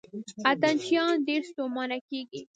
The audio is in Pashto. اتڼ چیان ډېر ستومانه کیږي.